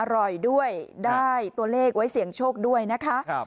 อร่อยด้วยได้ตัวเลขไว้เสี่ยงโชคด้วยนะคะ